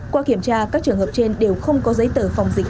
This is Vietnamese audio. qua kiểm tra các trường hợp trên đều không có giấy tờ phòng dịch